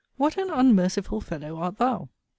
What an unmerciful fellow art thou!